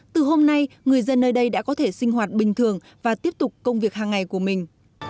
từ hôm nay người dân nơi đây đã có thể sinh hoạt bình thường và tiếp tục công việc hàng ngày của mình